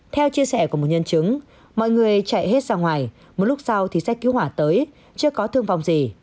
theo chia sẻ của một nhân chứng mọi người chạy hết ra ngoài một lúc sau thì xe cứu hỏa tới chưa có thương vong gì